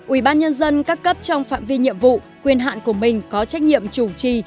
ubnd các cấp trong phạm vi nhiệm vụ quyền hạn của mình có trách nhiệm chủ trì